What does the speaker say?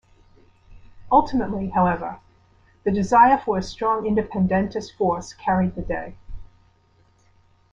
Ultimately, however, the desire for a strong independentist force carried the day.